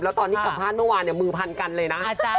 แล้วตอนที่สัมภาษณ์เมื่อวานเนี่ยมือพันกันเลยนะ